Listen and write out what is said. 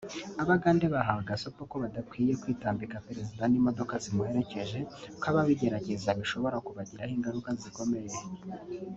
Abagande bahawe gasopo ko badakwiye kwitambika perezida n’imodoka zimuherekeje ko ababigerageza bishobora kubagiraho ingaruka zikomeye